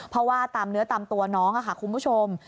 เพราะว่าตามเนื้อตามตัวน้องค่ะคุณผู้ชม